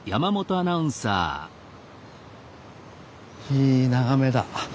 いい眺めだ。